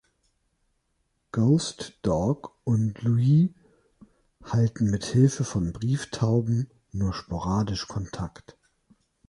Ghost Dog und Louie halten mit Hilfe von Brieftauben nur sporadisch Kontakt.